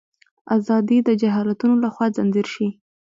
ازادي د جهالتونو لخوا ځنځیر شي.